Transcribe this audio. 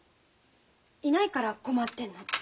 いないから困ってんの。